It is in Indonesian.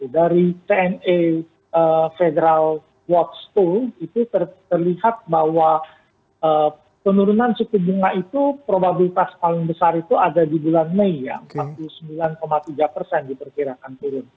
dari tni federal watch sto itu terlihat bahwa penurunan suku bunga itu probabilitas paling besar itu ada di bulan mei ya empat puluh sembilan tiga persen diperkirakan turun